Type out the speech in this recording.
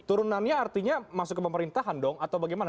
turunannya artinya masuk ke pemerintahan dong atau bagaimana